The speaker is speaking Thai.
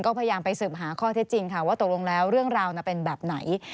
ก็พยายามไปสืบหาข้อเท็จจริงค่ะว่าตกลงแล้วเรื่องราวเป็นแบบไหน